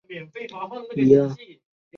后为蜀公孙述属下。